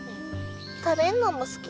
食べるのも好き。